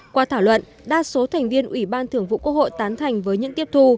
qua thảo luận đa số thành viên ủy ban thường vụ quốc hội tán thành với những tiếp thu